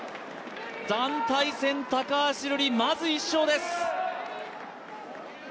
団体戦、高橋瑠璃まずは１勝です。